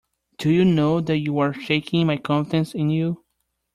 Do you know that you are shaking my confidence in you.